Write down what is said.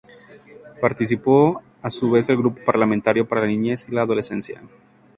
Participó a su vez del Grupo Parlamentario para la niñez y la adolescencia.